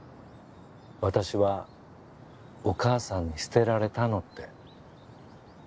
私はお母さんに捨てられたのって。